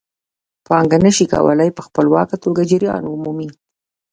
پانګه نشي کولای په خپلواکه توګه جریان ومومي